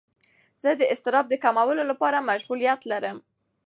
زه د اضطراب د کمولو لپاره مشغولیت لرم.